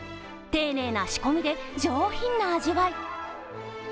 丁寧な仕込みで、上品な味わい。